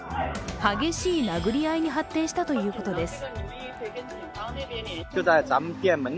激しい殴り合いに発展したということです。